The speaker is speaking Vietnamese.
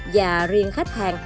và riêng khách hàng